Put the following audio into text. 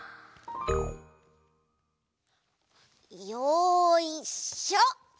よいしょ！